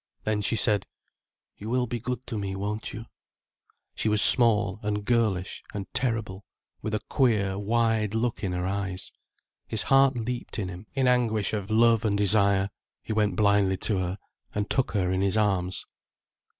Then she said: "You will be good to me, won't you?" She was small and girlish and terrible, with a queer, wide look in her eyes. His heart leaped in him, in anguish of love and desire, he went blindly to her and took her in his arms.